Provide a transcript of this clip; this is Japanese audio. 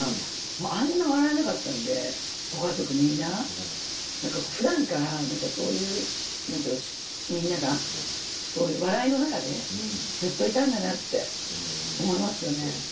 あんなに笑えなかったのでご家族みんな普段からそういうみんなが笑いの中でずっといたんだなと思いますよね。